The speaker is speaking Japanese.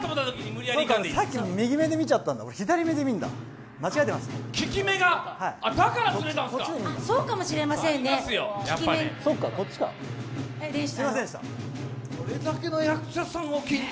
さっき、右目で見ちゃったんだ、左目で見ないと。